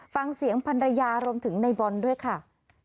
ฟังเสียงพันรยารวมถึงในบอลด้วยค่ะ